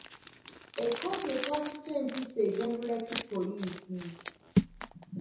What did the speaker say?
Ekkooti ekwasisa empisa eganyula ki poliisi?